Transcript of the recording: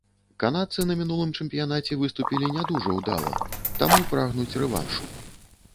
Канадцы на мінулым чэмпіянаце выступілі не дужа ўдала, таму прагнуць рэваншу.